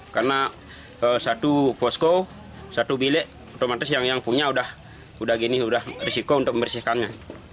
karena satu posko satu bilik otomatis yang punya sudah risiko untuk membersihkannya